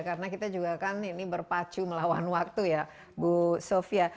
karena kita juga kan ini berpacu melawan waktu ya bu sofia